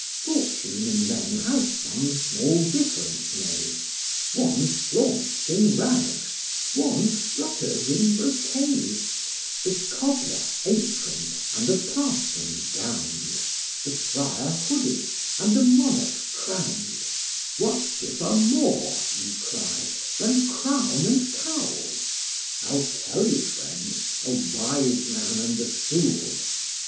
Fortune in men has some small difference made, One flaunts in rags, one flutters in brocade; The cobbler aproned, and the parson gowned, The friar hooded, and the monarch crowned, "What differ more (you cry) than crown and cowl?" I'll tell you, friend! a wise man and a fool.